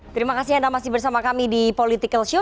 terima kasih anda masih bersama kami di political show